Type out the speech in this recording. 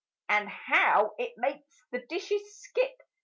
And how it makes the dishes skip!